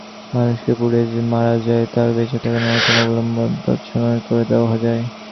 মানুষকে পুড়িয়ে মারা যায়, তার বেঁচে থাকার ন্যূনতম অবলম্বন তছনছ করে দেওয়া যায়।